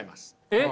えっ？